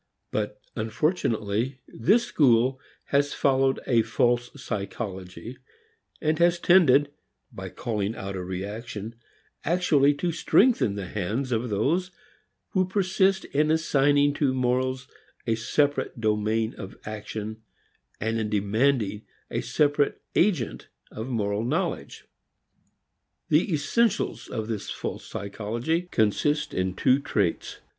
But unfortunately this school has followed a false psychology; and has tended, by calling out a reaction, actually to strengthen the hands of those who persist in assigning to morals a separate domain of action and in demanding a separate agent of moral knowledge. The essentials of this false psychology consist in two traits.